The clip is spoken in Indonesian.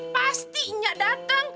pasti enyak dateng